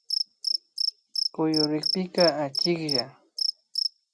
Kuyurikpika achiklla